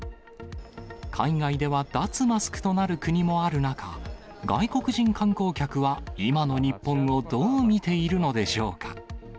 海外では脱マスクとなる国もある中、外国人観光客は、今の日本をどう見ているのでしょうか。